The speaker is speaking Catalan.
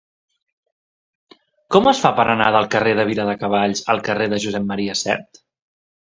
Com es fa per anar del carrer de Viladecavalls al carrer de Josep M. Sert?